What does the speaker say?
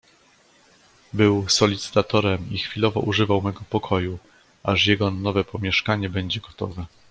"Był solicytatorem i chwilowo używał mego pokoju, aż jego nowe pomieszkanie będzie gotowe."